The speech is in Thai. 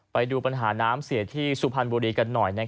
ไปดูปัญหาน้ำเสียที่สุพรรณบุรีกันหน่อย